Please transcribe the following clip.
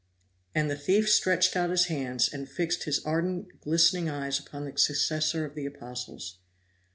And the thief stretched out his hands, and fixed his ardent, glistening eyes upon the successor of the apostles.